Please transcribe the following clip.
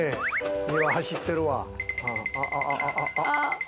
庭、走ってるわ。